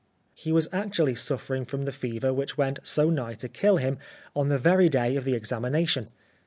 He was actually suffering from the fever which went so nigh to kill him, on the very day of the ex amination.